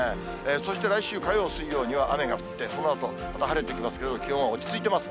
そして来週火曜、水曜には雨が降って、そのあとまた晴れてきますけれども、気温は落ち着いてます。